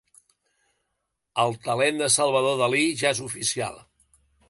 El talent de Salvador Dalí ja és oficial.